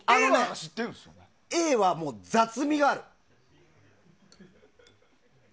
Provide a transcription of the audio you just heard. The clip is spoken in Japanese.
Ａは雑味がある。